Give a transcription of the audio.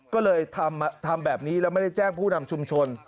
ก็เลยทำแบบนี้แล้วไม่ได้แจ้งผู้นำชุมชน